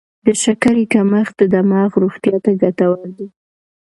د شکرې کمښت د دماغ روغتیا ته ګټور دی.